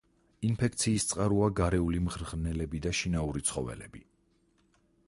ინფექციის წყაროა გარეული მღრღნელები და შინაური ცხოველები.